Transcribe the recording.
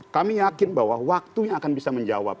kami yakin bahwa waktunya akan bisa menjawab